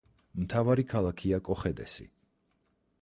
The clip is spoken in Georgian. მთავარი ქალაქია კოხედესი.